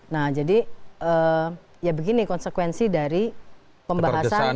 nah jadi ya begini konsekuensi dari pembahasan